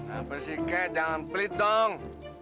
apa sih kek jangan pelit dong